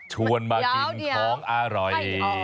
ชวนมากินของอร่อย